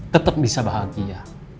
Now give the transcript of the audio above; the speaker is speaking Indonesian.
tetep bisa bahagia